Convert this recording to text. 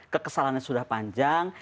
kekesalannya sudah panjang